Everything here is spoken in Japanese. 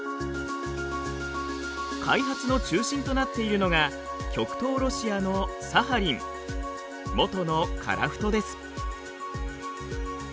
開発の中心となっているのが極東ロシアのサハリン元の樺太です。